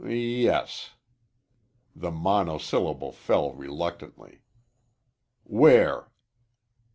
"Yes." The monosyllable fell reluctantly. "Where?"